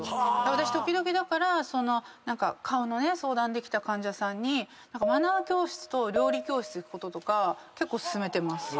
私時々だから顔の相談で来た患者さんにマナー教室と料理教室行くこと結構。